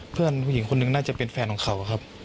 เพื่อนผู้หญิงคนหนึ่งน่าจะเป็นแฟนของเขาครับ